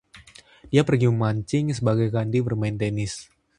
Dia pergi memancing sebagai ganti bermain tenis.